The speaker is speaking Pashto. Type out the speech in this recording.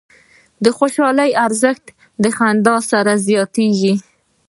د خوشحالۍ ارزښت د خندا سره زیاتېږي.